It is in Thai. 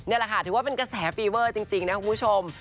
นี่แหละค่ะถือว่าเป็นกระแสฟีเวอร์จริงนะคุณผู้ชม